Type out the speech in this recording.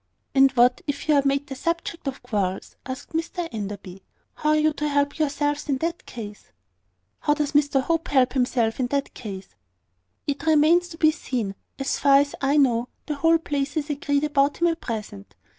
"And what if you are made the subject of quarrels?" asked Mr Enderby. "How are you to help yourselves, in that case?" "How does Mr Hope help himself in that case?" "It remains to be seen. As far as I know, the whole place is agreed about him at present.